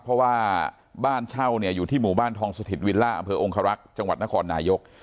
เพราะว่าบ้านเช่าเนี่ยอยู่ที่หมู่บ้านทองสถิตวิลล่าอำเภอองคารักษ์จังหวัดนครนายก